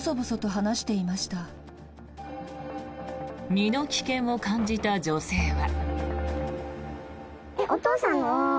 身の危険を感じた女性は。